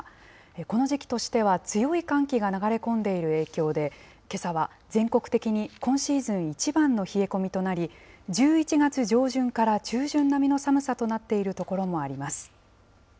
この時期としては強い寒気が流れ込んでいる影響で、けさは全国的に今シーズン一番の冷え込みとなり、１１月上旬から中旬並みの寒さとなっている所もあります。